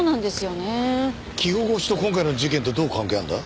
着心地と今回の事件とどう関係あるんだ？